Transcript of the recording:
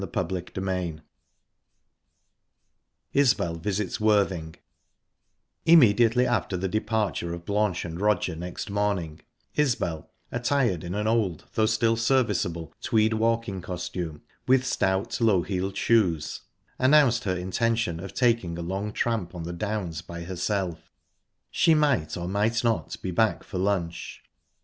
Chapter XI ISBEL VISITS WORTHING Immediately after the departure of Blanche and Roger next morning, Isbel attired in an old, though still serviceable, tweed walking costume, with stout, low heeled shoes announced her intention of taking a long tramp on the Downs by herself; she might, or might not, be back for lunch.